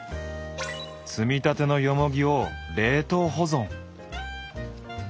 摘みたてのよもぎを冷凍保存。